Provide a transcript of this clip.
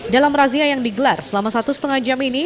dalam razia yang digelar selama satu setengah jam ini